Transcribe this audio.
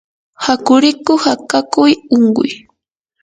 yakurikuq akakuy unquy